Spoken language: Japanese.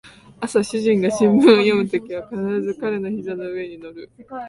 朝主人が新聞を読むときは必ず彼の膝の上に乗る